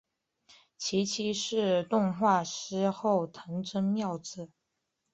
其妻是动画师后藤真砂子。